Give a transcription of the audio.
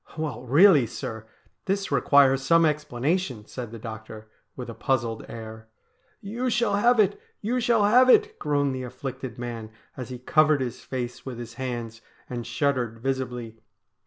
' Well, really, sir, this requires some explanation,' said the doctor with a puzzled air. ' You shall have it! you shall have it !' groaned the afflicted man as he covered his face with his hands and shuddered visibly.